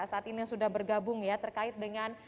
saat ini sudah bergabung ya terkait dengan